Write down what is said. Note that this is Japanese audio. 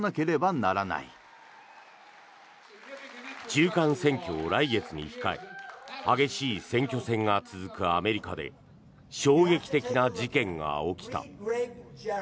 中間選挙を来月に控え激しい選挙戦が続くアメリカで衝撃的な事件が起きた。